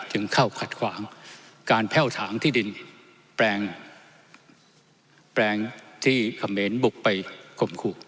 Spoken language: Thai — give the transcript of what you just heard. จึงเข้าขัดขวางการแพ่วถางที่ดินแปลงที่เขมรบุกไปข่มขู่